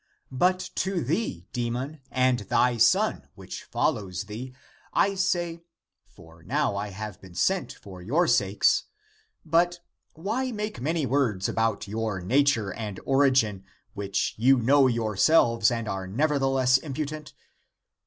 But to thee, demon, and thy son, which follows thee — I say — for now I have been sent for your sakes — but why make many words about your nature and origin, which you know yourselves and are nevertheless impudent?